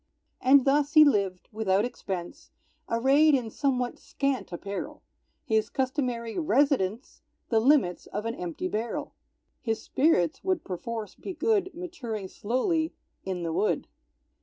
And thus he lived, without expense, Arrayed in somewhat scant apparel, His customary residence The limits of an empty barrel; (His spirits would perforce be good, Maturing slowly "in the wood.")